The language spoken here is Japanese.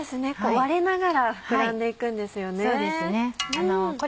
割れながら膨らんで行くんですよね。